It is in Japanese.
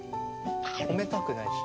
止めたくないし。